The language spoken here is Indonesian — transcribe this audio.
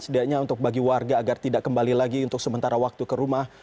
setidaknya untuk bagi warga agar tidak kembali lagi untuk sementara waktu ke rumah